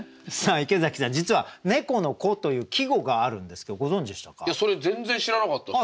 池崎さん実は「猫の子」という季語があるんですけどご存じでしたか？